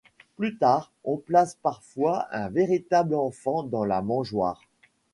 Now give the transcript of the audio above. Plus tard, on place parfois un véritable enfant dans la mangeoire.